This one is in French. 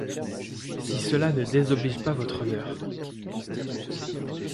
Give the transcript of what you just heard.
Si cela ne désoblige pas Votre Honneur.